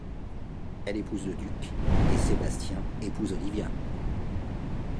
Elle épouse le duc et Sébastien épouse Olivia.